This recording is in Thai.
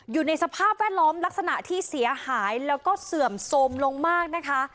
อยู่ในสภาพแวดล้อมลักษณะที่เสียหายแล้วก็เสื่อมโทรมลงมากนะคะ